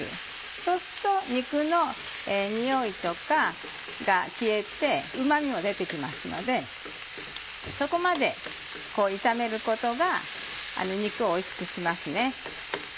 そうすると肉のにおいとかが消えてうま味も出て来ますのでそこまで炒めることが肉をおいしくしますね。